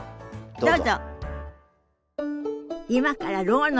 どうぞ。